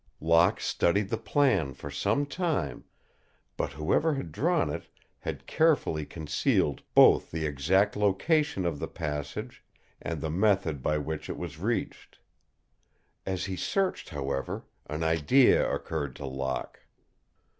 Locke studied the plan for some time, but whoever had drawn it had carefully concealed both the exact location of the passage and the method by which it was reached. As he searched, however, an idea occurred to Locke.